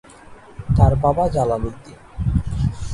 তার বাবা জালালউদ্দিন।